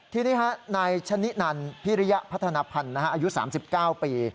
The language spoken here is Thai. ทีนี้นายชะนินันพิริยพัฒนภัณฑ์อายุ๓๙ปี